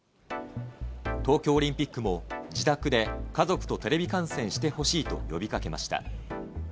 東京オリンピックも自宅で家族とテレビ観戦してほしいと呼びかけました。